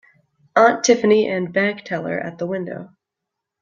Aunt Tiffany and bank teller at the window.